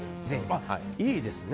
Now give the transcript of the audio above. いいですね